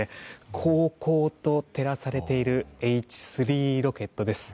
こうこうと照らされているＨ３ロケットです。